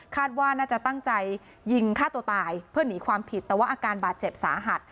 ว่าน่าจะตั้งใจยิงฆ่าตัวตายเพื่อหนีความผิดแต่ว่าอาการบาดเจ็บสาหัส